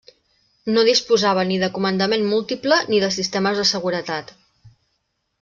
No disposava ni de comandament múltiple, ni de sistemes de seguretat.